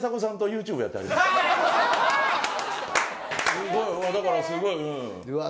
すごいだからすごいうんうわ